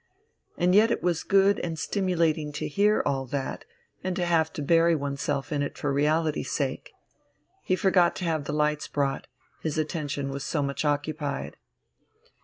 And yet it was good and stimulating to hear all that and to have to bury oneself in it for reality's sake. He forgot to have the lights brought, his attention was so much occupied.